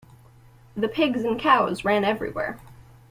The pigs and cows ran everywhere.